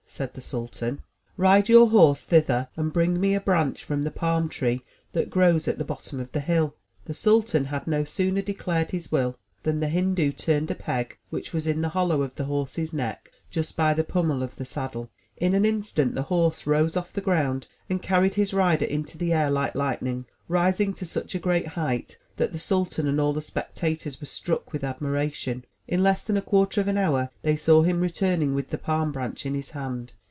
'* said the sultan. "Ride your 40 THE TREASURE CHEST horse thither and bring me a branch from the palm tree that grows at the bottom of the hill." The sultan had no sooner declared his will, than the Hindu turned a peg, which was in the hollow of the horse's neck, just by the pummel of the saddle. In an instant the horse rose off the ground and carried his rider into the air like lightning, rising to such a great height that the sultan and all the spectators were struck with admiration. In less than a quarter of an hour they saw him returning with the palm branch in his hand.